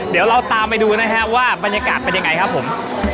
เดี๋ยวเราตามไปดูนะฮะว่าบรรยากาศเป็นยังไงครับผม